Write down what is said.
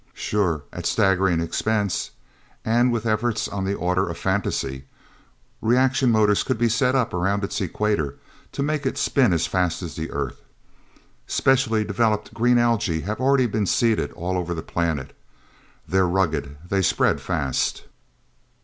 Sure at staggering expense, and with efforts on the order of fantasy, reaction motors could be set up around its equator, to make it spin as fast as the Earth. Specially developed green algae have already been seeded all over the planet. They're rugged, they spread fast.